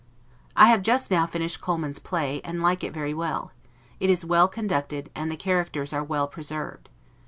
I have just now finished Coleman's play, and like it very well; it is well conducted, and the characters are well preserved.